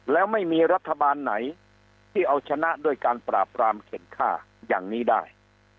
แล้วไม่มีรัฐบาลไหนที่เอาชนะด้วยการปราบรามเข็นค่าอย่างนี้ได้